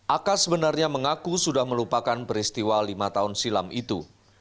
aka sebenarnya mengaku sudah melupakan peristiwa lima tahun silam itu